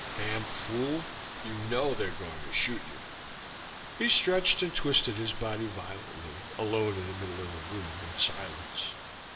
"Damn fool, you know they're going to shoot you!" He stretched and twisted his body violently, alone in the middle of the room, in silence.